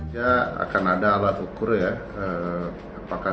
ya akan ada alat ukur ya apakah sebuah pemilu bisa dilaksanakan